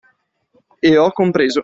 E ho compreso!